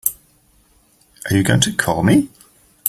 Are you going to call me?